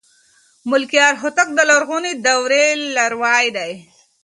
ملکیار هوتک د لرغونې دورې لاروی دی.